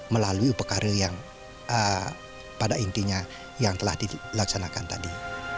melalui upekarya yang pada intinya yang telah dilaksanakan tadi